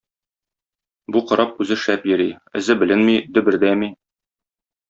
Бу кораб үзе шәп йөри, эзе беленми, дөбердәми.